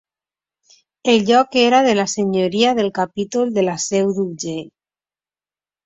El lloc era de la senyoria del capítol de la Seu d'Urgell.